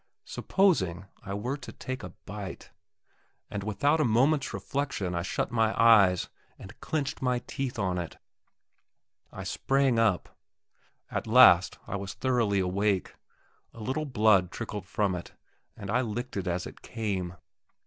Supposing I were to take a bite? And without a moment's reflection, I shut my eyes, and clenched my teeth on it. I sprang up. At last I was thoroughly awake. A little blood trickled from it, and I licked it as it came.